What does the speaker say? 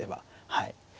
はい。